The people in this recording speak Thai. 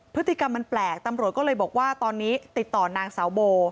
พฤติกรรมมันแปลกตำรวจก็เลยบอกว่าตอนนี้ติดต่อนางสาวโบ